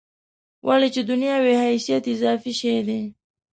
ولې چې دنیا وي حیثیت اضافي شی دی.